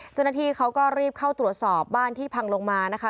เจ้าหน้าที่เขาก็รีบเข้าตรวจสอบบ้านที่พังลงมานะคะ